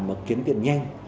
mà kiếm tiền nhanh